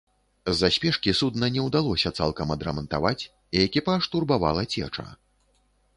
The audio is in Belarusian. З-за спешкі судна не ўдалося цалкам адрамантаваць, і экіпаж турбавала цеча.